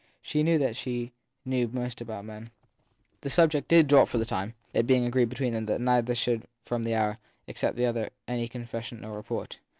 She knew that she knew most about men. The subject did drop for the time, it being agreed between them that neither should from that hour expect from the other any confession or report.